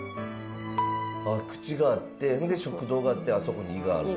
口があって食道があってあそこに胃があるんや。